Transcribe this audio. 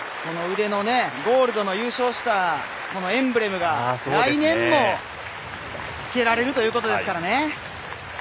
腕のゴールドの優勝したエンブレムが来年もつけられるということですからね。